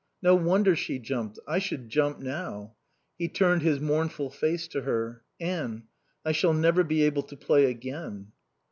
"No wonder she jumped. I should jump now." He turned his mournful face to her. "Anne I shall never be able to play again."